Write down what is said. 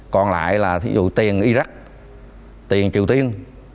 còn lại là thí dụ tiền iraq tiền triều tiên